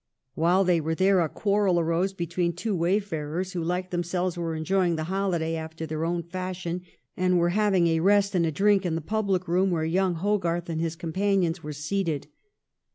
While they were there a quarrel arose between two wayfarers who, hke themselves, were enjoying the holiday after their own fashion, and were having a rest and a drink in the public room where young Hogarth and his companions were seated.